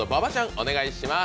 お願いします。